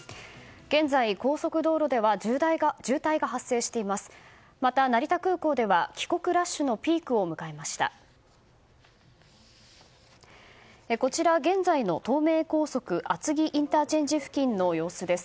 現在、高速道路では渋滞が発生しています。